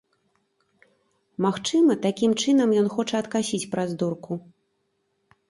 Магчыма, такім чынам ён хоча адкасіць праз дурку.